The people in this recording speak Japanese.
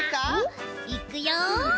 いくよ！